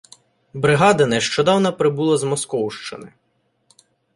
Бригада нещодавно прибула з Московщини.